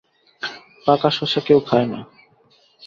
পাকা শশা কেউ খায় না।